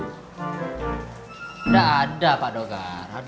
gak ada pak tegar